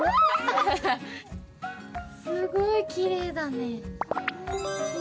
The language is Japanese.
すごいきれいだね。